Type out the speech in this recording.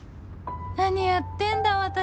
何やってんだ私